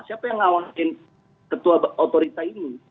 siapa yang ngawasin ketua otorita ini